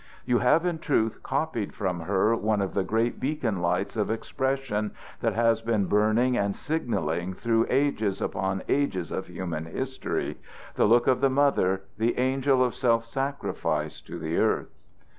You have in truth copied from her one of the great beacon lights of expression that has been burning and signaling through ages upon ages of human history the look of the mother, the angel of self sacrifice to the earth.